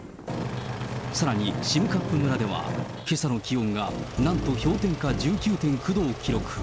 さらに、占冠村ではけさの気温がなんと氷点下１９．９度を記録。